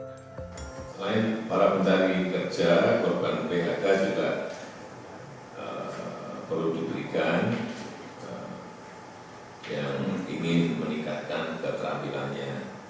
selain para pencari kerja korban phk juga perlu diberikan yang ingin meningkatkan keterampilannya